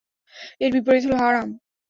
এর বিপরীত হলো হারাম।